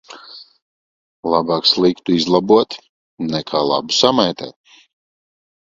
Labāk sliktu izlabot nekā labu samaitāt.